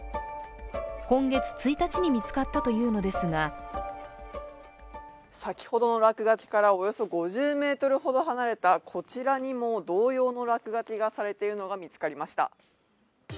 今月１日に見つかったというのですが先ほどの落書きから、およそ５０ｍほど離れたこちらにも、同様の落書きがされているのが見つかりました。